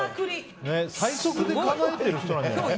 最速でかなえている人なんじゃないの。